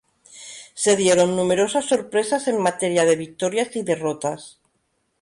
Se dieron numerosas sorpresas en materia de victorias y derrotas.